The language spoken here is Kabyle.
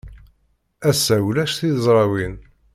Ass-a, ulac tizrawin.